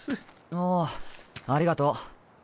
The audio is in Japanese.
おぉありがとう。